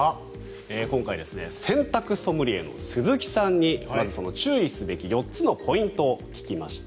今回、洗濯ソムリエの鈴木さんにまずその注意すべき４つのポイントを聞きました。